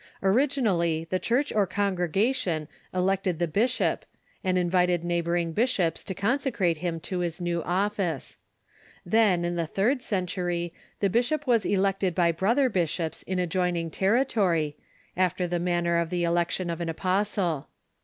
Originally, the Church or congregation elected the bishop, and invited neighboring bishops to consecrate him to his new otfice. Then, in the third century, the bishop Avas elected b}^ brother bishops in adjoining territory, after the manner of the election of an apostle.